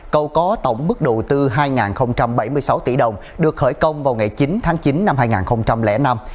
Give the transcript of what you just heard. cầu có tổng mức đầu tư hai bảy mươi sáu tỷ đồng được khởi công vào ngày chín tháng chín năm hai nghìn năm